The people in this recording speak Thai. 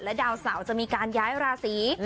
และดาวเสาร์จะมีการย้ายราศรี